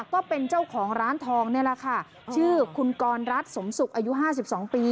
ก็เป็นเจ้าของร้านทองนี่แหละค่ะชื่อคุณกรรัฐสมศุกร์อายุห้าสิบสองปี